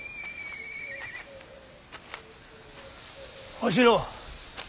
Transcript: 小四郎。